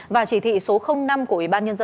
và chỉ thị số năm của ubnd